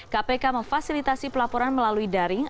kpk memfasilitasi pelaporan melalui daring